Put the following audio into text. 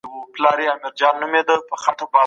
د جرمني سفارت ډیپلوماتان اوس له کوم ځای څخه کار کوي؟